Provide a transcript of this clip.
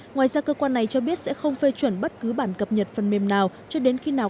ngoài ra cơ quan này cho biết sẽ không phê chuẩn bất cứ bản cập nhật phần mềm nào cho đến khi nào